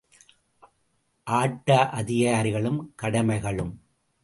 ஆட்ட அதிகாரிகளும், கடமைகளும் ….